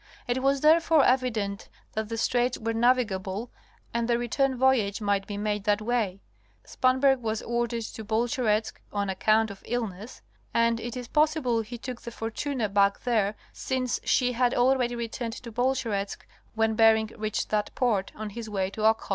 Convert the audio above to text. It was therefore evident that the straits were navigable and the return voyage might be made that way. Spanberg was ordered to Bolsheretsk ''on account of illness" (L.), and it is pos sible he took the Fortuna back there since she had already returned to Bolsheretsk when Bering reached that port, on his way to Okhotsk.